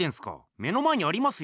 目の前にありますよ。